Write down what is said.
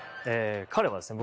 彼はですね